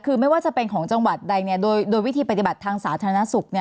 คือไม่ว่าจะเป็นของจังหวัดใดโดยวิธีปฏิบัติทางสาธารณสุข